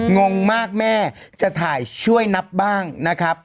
งงมากแม่จะถ่ายช่วยนับบ้างนะครับ